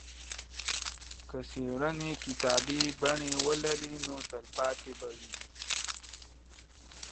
که څېړنه کتابي بڼه ولري نو تلپاتې به وي.